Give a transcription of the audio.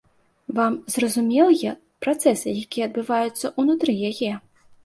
Вам зразумелыя працэсы, якія адбываюцца ўнутры яе?